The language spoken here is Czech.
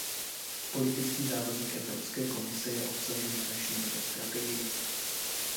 Politický závazek Evropské komise je obsažen v naší nové strategii.